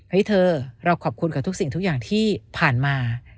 เธอเราขอบคุณกับทุกสิ่งทุกอย่างที่ผ่านมา